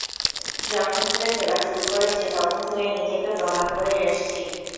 যখন থেকে খেলা শুরু করেছি তখন থেকেই নিজেকে প্রমাণ করেই আসছি।